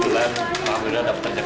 langsung ditukar ya